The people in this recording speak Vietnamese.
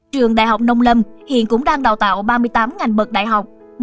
trường đại học nông lâm hiện cũng đang đào tạo ba mươi tám ngành bậc đại học